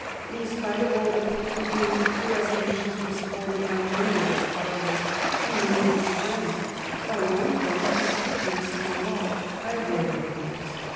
In spite of all that Pitt could do, the resolutions were supported by many of his followers, by many of his friends, by one friend conspicuous among all, by Wilberforce.